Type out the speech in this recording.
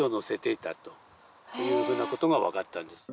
というふうなことが分かったんです。